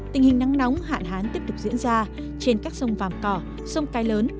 tình hình nắng nóng hạn hán tiếp tục diễn ra trên các sông vàm cỏ sông cái lớn